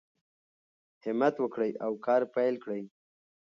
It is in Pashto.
همت وکړئ او کار پیل کړئ.